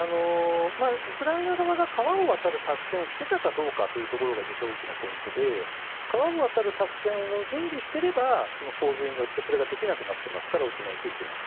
ウクライナ側が川を渡る作戦をしていたかどうかが実は大きなポイントで川を渡る作戦を準備していれば洪水によってそれができなくなっていますから大きな影響を受けます。